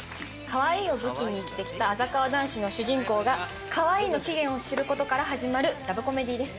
可愛いを武器に生きてきたあざかわ男子の主人公が可愛いの期限を知る事から始まるラブコメディーです。